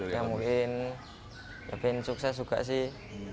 ya mungkin ingin sukses juga sih